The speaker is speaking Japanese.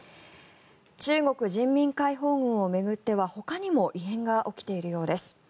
中国人民解放軍を巡ってはほかにも異変が起きているようです。